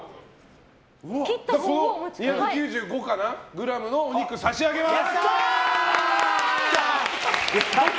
この２９５ｇのお肉差し上げます！